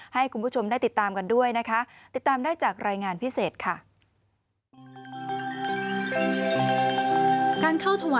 ให้คุณผู้ชมได้ติดตามกันด้วยนะคะติดตามได้จากรายงานพิเศษค่ะ